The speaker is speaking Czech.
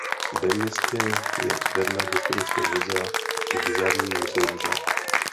Ve městě je vedle historického muzea i bizarní Muzeum žab.